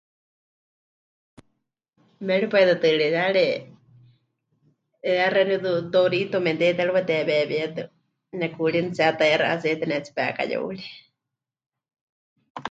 Méripai tɨ tɨɨriyari 'iyá xeeníu du..durito temɨte'itérɨwa teweewietɨ nekuurí netsihetaiyaxɨ aceite nehetsíe pekayeuri.